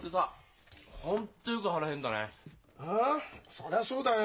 そりゃそうだよ。